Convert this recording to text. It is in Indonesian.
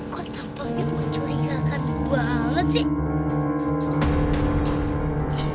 kok tampaknya mencurigakan banget sih